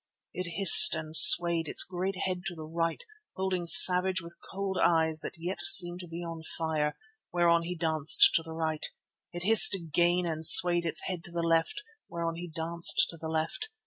"It hissed and swayed its great head to the right, holding Savage with cold eyes that yet seemed to be on fire, whereon he danced to the right. It hissed again and swayed its head to the left, whereon he danced to the left.